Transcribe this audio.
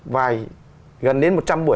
vài gần đến một trăm linh buổi